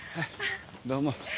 どうも。